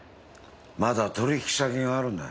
まだ取引先があるんだ。